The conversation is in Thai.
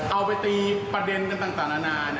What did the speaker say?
เอาไปตีประเด็นกันต่างนานา